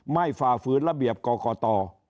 ไม่ฝ่าฝืนระเบียบกกต